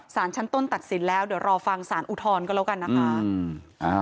สารชั้นต้นตัดสินแล้วเดี๋ยวรอฟังสารอุทธรณ์ก็แล้วกันนะคะ